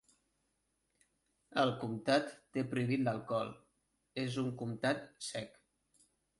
El comtat té prohibit l'alcohol, és un "comtat sec".